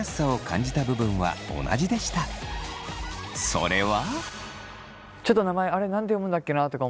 それは。